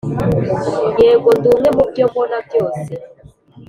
yego, ndi umwe mubyo mbona byose,